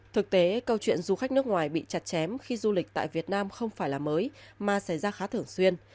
thực tế câu chuyện du khách nước ngoài bị chặt chém khi du lịch tại việt nam không phải là mới mà xảy ra khá thường xuyên